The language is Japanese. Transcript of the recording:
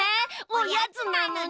おやつなのに？